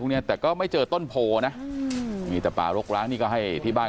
เนี่ยแต่ก็ไม่เจอต้นโพนะมีแต่ป่ารกร้างนี่ก็ให้ที่บ้าน